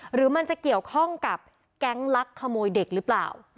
หรือมันจะเกี่ยวข้องกับแก๊งลักขโมยเด็กหรือเปล่า